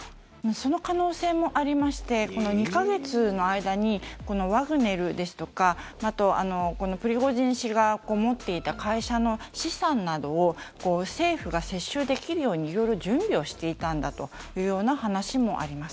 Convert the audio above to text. その可能性もありましてこの２か月の間にワグネルですとかあと、プリゴジン氏が持っていた会社の資産などを政府が接収できるように色々準備していたんだという話もあります。